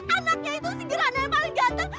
anaknya itu si gerhana yang paling ganteng